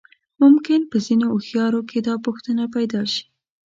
ممکن په ځينې هوښيارو کې دا پوښتنه پيدا شي.